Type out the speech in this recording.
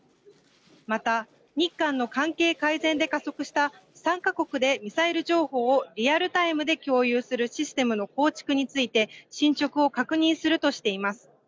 また、日韓の関係改善で加速した３か国でミサイル情報をリアルタイムで共有するシステムの構築について進ちょくを確認するとしています。